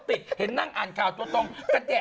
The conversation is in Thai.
เปิดต่อไป